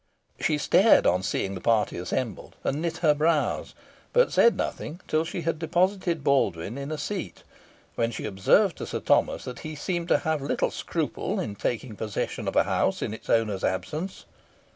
She stared on seeing the party assembled, and knit her brows, but said nothing till she had deposited Baldwyn in a seat, when she observed to Sir Thomas, that he seemed to have little scruple in taking possession of a house in its owner's absence.